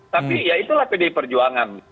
tapi ya itulah pdi perjuangan